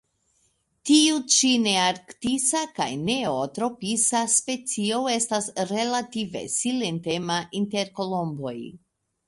Tiu ĉi nearktisa kaj neotropisa specio estas relative silentema inter kolomboj.